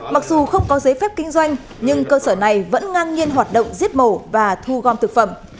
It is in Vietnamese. mặc dù không có giấy phép kinh doanh nhưng cơ sở này vẫn ngang nhiên hoạt động giết mổ và thu gom thực phẩm